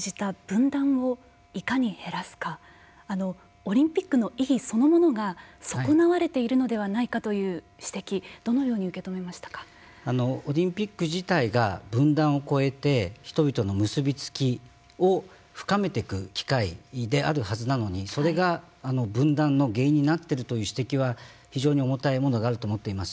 オリンピックの意義そのものが損なわれているのではないかという指摘をオリンピック自体が分断をこえて人々の結び付きを深めていく機会であるはずなのにそれが分断の原因になっているという指摘は非常に重たいものがあると思っています。